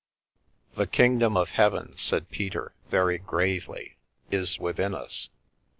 "The kingdom of heaven," said Peter very gravely, " is within us.